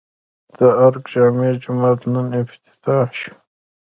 د ارګ جامع جومات نن افتتاح شو